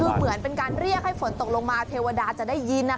คือเหมือนเป็นการเรียกให้ฝนตกลงมาเทวดาจะได้ยิน